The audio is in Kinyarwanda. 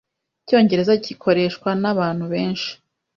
Icyongereza gikoreshwa nabantu benshi.